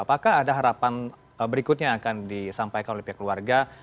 apakah ada harapan berikutnya yang akan disampaikan oleh pihak keluarga